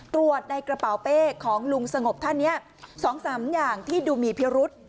ตรวจในกระเป๋าเป้ของลุงสงบท่านเนี้ยสองสามอย่างที่ดูมีเพียรุธ